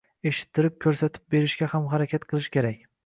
Eshittirib, ko‘rsatib berishga ham harakat qilish kerak.